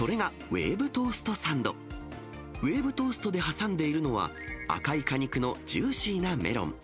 ウェーブトーストで挟んでいるのは、赤い果肉のジューシーなメロン。